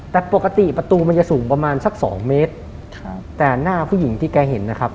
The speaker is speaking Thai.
แต่ปกติประตูมันจะสูงประมาณสักสองเมตรครับแต่หน้าผู้หญิงที่แกเห็นนะครับ